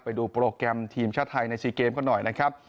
ไปดูโปรแกรมทีมชาติไทยใน๔เกมกันหน่อยนะครับ